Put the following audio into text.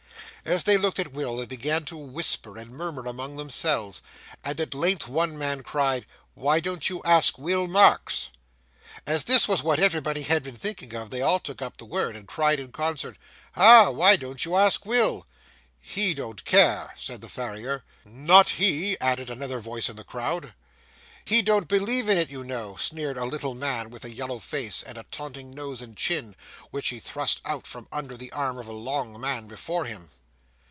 As they looked at Will they began to whisper and murmur among themselves, and at length one man cried, 'Why don't you ask Will Marks?' As this was what everybody had been thinking of, they all took up the word, and cried in concert, 'Ah! why don't you ask Will?' 'He don't care,' said the farrier. 'Not he,' added another voice in the crowd. 'He don't believe in it, you know,' sneered a little man with a yellow face and a taunting nose and chin, which he thrust out from under the arm of a long man before him.